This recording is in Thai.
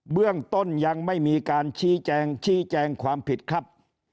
เรื่องต้นยังไม่มีการชี้แจงชี้แจงความผิดครับ